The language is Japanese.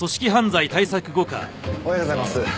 おはようございます。